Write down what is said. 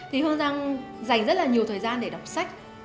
thì hương giang dành rất là nhiều thời gian để đọc sách